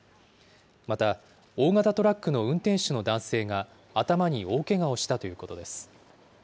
また、大型トラックの運転手の男性が頭に大けがをしたということです。